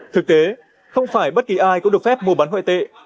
thực tế không phải bất kỳ ai cũng được phép mua bán ngoại tệ